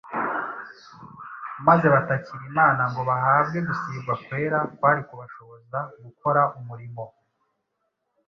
maze batakira Imana ngo bahabwe gusigwa kwera kwari kubashoboza gukora umurimo